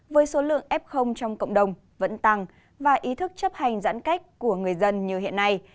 với số lượng f trong cộng đồng vẫn tăng và ý thức chấp hành giãn cách của người dân như hiện nay